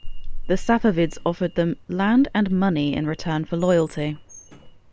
The Safavids offered them land and money in return for loyalty.